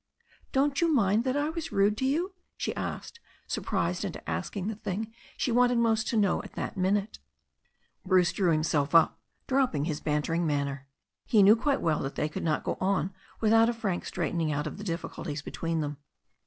"Don't you mind that I was rude to you?" she asked, surprised into asking the thing she wanted most to know at that minute. Bruce drew himself up, dropping his bantering manner. He knew quite well that they could not go on without a frank straightening out of the difficulties between them.